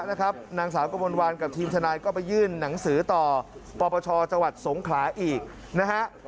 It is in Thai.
นางสาวกระมวลวันกับทีมทนายก็ไปยื่นหนังสือต่อปปชจังหวัดสงขลาอีกนะฮะ